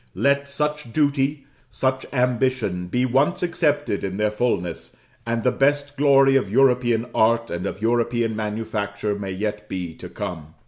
Let such duty, such ambition, be once accepted in their fulness, and the best glory of European art and of European manufacture may yet be to come.